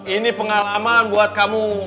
ini pengalaman buat kamu